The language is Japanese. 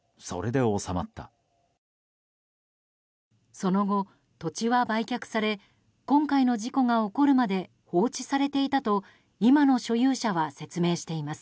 その後、土地は売却され今回の事故が起こるまで放置されていたと今の所有者は説明しています。